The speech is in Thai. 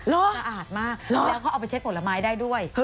สะอาดมากแล้วเขาเอาไปเช็คผลไม้ได้ด้วย